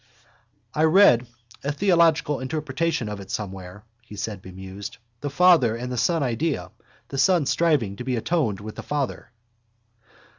—I read a theological interpretation of it somewhere, he said bemused. The Father and the Son idea. The Son striving to be atoned with the Father.